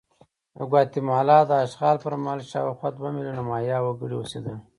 د ګواتیمالا د اشغال پر مهال شاوخوا دوه میلیونه مایا وګړي اوسېدل.